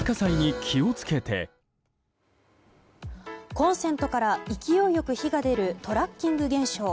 コンセントから勢いよく火が出るトラッキング現象。